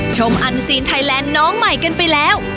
อันซีนไทยแลนด์น้องใหม่กันไปแล้ว